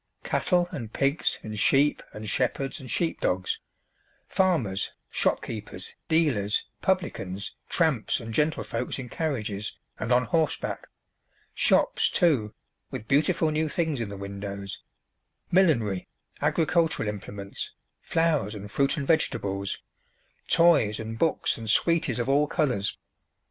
Cattle and pigs and sheep and shepherds and sheepdogs; farmers, shopkeepers, dealers, publicans, tramps, and gentlefolks in carriages and on horseback; shops, too, with beautiful new things in the windows; millinery, agricultural implements, flowers and fruit and vegetables; toys and books and sweeties of all colours.